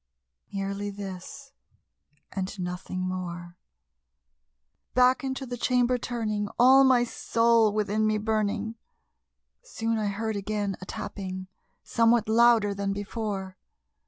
Merely this and nothing more. Back into the chamber turning, all my soul within me burning, Soon I heard again a tapping, somewhat louder than before.